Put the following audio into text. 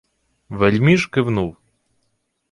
Вельміж кивнув.